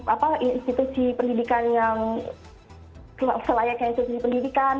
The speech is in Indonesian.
apa institusi pendidikan yang selayaknya institusi pendidikan